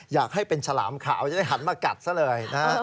อยากให้เป็นฉลามขาวจะได้หันมากัดซะเลยนะ